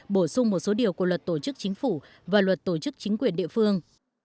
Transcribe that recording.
bổ sung một số điều của luật tổ chức chính phủ và luật tổ chức chính quyền địa phương